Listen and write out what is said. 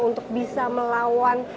untuk bisa melawan